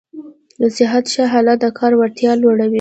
د صحت ښه حالت د کار وړتیا لوړوي.